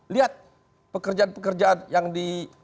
lihat pekerjaan pekerjaan yang di